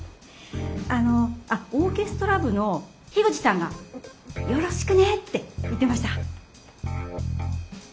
あのあっオーケストラ部の口さんがよろしくねって言ってました。